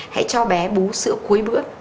hãy cho bé bú sữa cuối bữa